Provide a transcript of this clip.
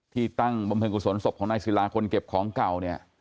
ที่ตั้งบำพึงกุศลศพของนายศิลาคนเก็บของเก่า